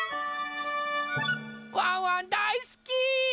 ワンワンだいすき！